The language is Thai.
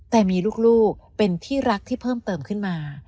แต่มีลูกเป็นที่รักที่เพิ่มเติมขึ้นมา